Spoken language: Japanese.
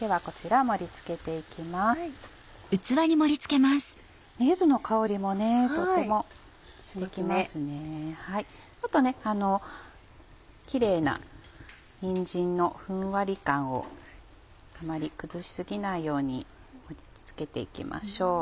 あとはキレイなにんじんのふんわり感をあまり崩し過ぎないように盛り付けて行きましょう。